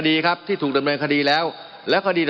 มันมีมาต่อเนื่องมีเหตุการณ์ที่ไม่เคยเกิดขึ้น